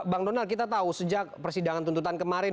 bang donald kita tahu sejak persidangan tuntutan kemarin